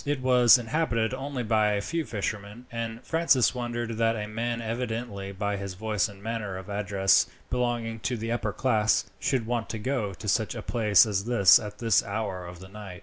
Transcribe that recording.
It was inhabited only by a few fishermen; and Francis wondered that a man, evidently by his voice and manner of address belonging to the upper class, should want to go to such a place as this at this hour of the night.